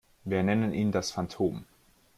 Wir nennen ihn das Phantom.